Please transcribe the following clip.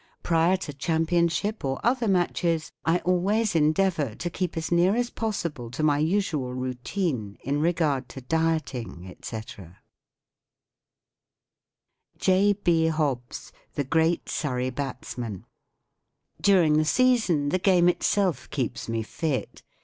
Prior to champion¬ ship or other matches* I al¬ ways endeavour to keep as near as possible to my usual routine in regard to dieting* etc. X B. HOBBS. The Greet Surrey Batsman During the season the game itself keeps me fit.